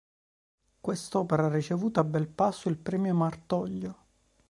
Quest'opera ha ricevuto, a Belpasso, il premio Martoglio.